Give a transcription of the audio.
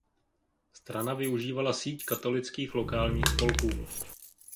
Strana využívala síť katolických lokálních spolků.